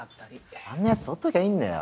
あんなヤツほっときゃいいんだよ